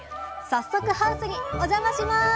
早速ハウスにお邪魔します！